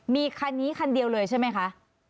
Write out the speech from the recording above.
มีคันนี้คันเดียวเลยใช่ไหมคะ